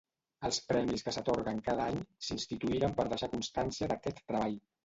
Els premis que s'atorguen cada any s'instituïren per deixar constància d'aquest treball.